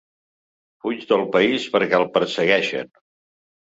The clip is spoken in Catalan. Fuig del país perquè el persegueixen.